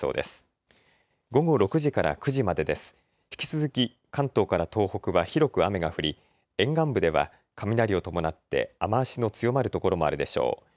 引き続き関東から東北は広く雨が降り沿岸部では雷を伴って雨足の強まる所もあるでしょう。